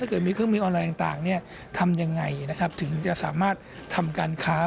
ถ้าเกิดมีเครื่องมือออนไลน์ต่างทำอย่างไรถึงจะสามารถทำการค้า